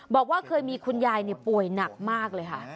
บอกว่าเคยมีคุณยายป่วยหนักมากเลยค่ะ